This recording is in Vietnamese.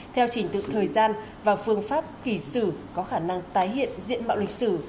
theo chỉnh tự thời gian và phương pháp kỳ xử có khả năng tái hiện diện mạo lịch sử